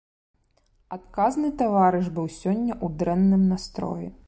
Адказны таварыш быў сёння ў дрэнным настроі.